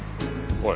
おい！